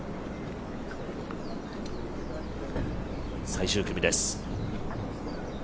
最終組です。